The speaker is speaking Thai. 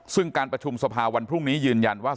ซึ่งการประชุมสภาวันพรุ่งนี้ยืนยันว่า